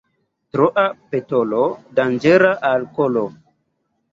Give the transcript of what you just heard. Troa petolo danĝera al kolo.